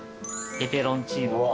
ペペロンチーノから。